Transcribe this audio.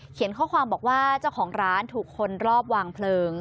ข้อความบอกว่าเจ้าของร้านถูกคนรอบวางเพลิง